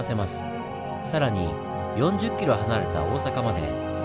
更に４０ｋｍ離れた大阪まで。